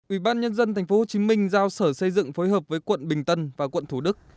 ủy ban nhân dân tp hcm giao sở xây dựng phối hợp với quận bình tân và quận thủ đức